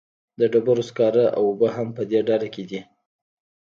د ډبرو سکاره او اوبه هم په دې ډله کې دي.